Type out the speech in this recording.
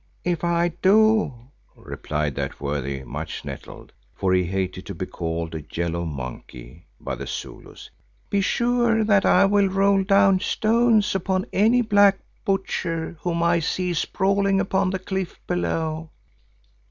"If I do," replied that worthy, much nettled, for he hated to be called a "yellow monkey" by the Zulus, "be sure that I will roll down stones upon any black butcher whom I see sprawling upon the cliff below."